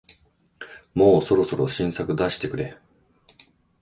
もうそろそろ新作出してくれ